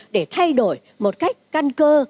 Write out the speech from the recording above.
để thay đổi một cách căn cơ